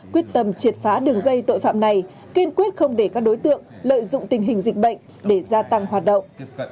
quyết tâm triệt phá đường dây tội phạm này kiên quyết không để các đối tượng lợi dụng tình hình dịch bệnh để gia tăng hoạt động